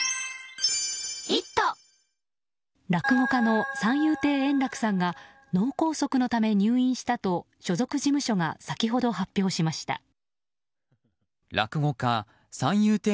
落語家の三遊亭円楽さんが脳梗塞のため入院したと所属事務所が先ほど発表しました。